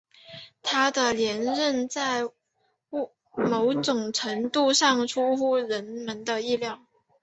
他的连任在某种程度上出乎人们的意料。